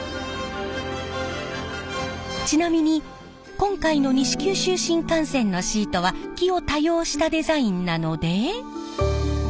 ちなみに今回の西九州新幹線のシートは木を多用したデザインなので。